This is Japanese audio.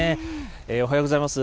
おはようございます。